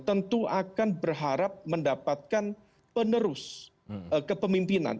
tentu akan berharap mendapatkan penerus kepemimpinan